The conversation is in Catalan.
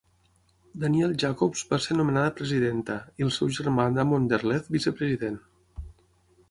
Danielle Jacobs va ser nomenada presidenta i el seu germà Damon Derleth vicepresident.